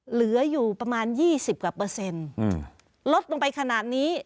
เหลืออยู่ประมาณ๒๐กว่าเปอร์เซ็นต์ลดลงไปขนาดนี้